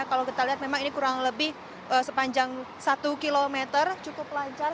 kalau kita lihat memang ini kurang lebih sepanjang satu km cukup lancar